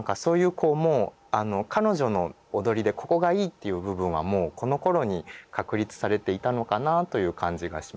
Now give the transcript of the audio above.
こうもう彼女の踊りでここがいいっていう部分はもうこのころに確立されていたのかなあという感じがしますね。